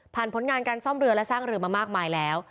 ผลงานการซ่อมเรือและสร้างเรือมามากมายแล้ว